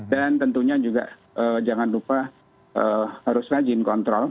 dan tentunya juga jangan lupa harus rajin kontrol